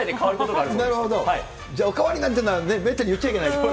ああそう、じゃあ、お代わりなんていうのは、めったに言っちゃいけないと。